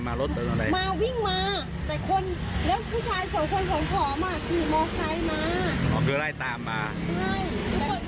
ตำรวจรถพยาบาลกับรถตำรวจมาเยอะมาก